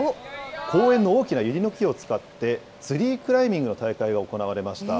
公園の大きなユリノキを使って、ツリークライミングの大会が行われました。